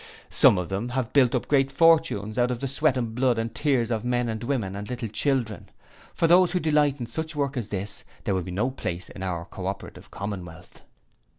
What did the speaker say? Some of them have built up great fortunes out of the sweat and blood and tears of men and women and little children. For those who delight in such work as this, there will be no place in our Co operative Commonwealth.'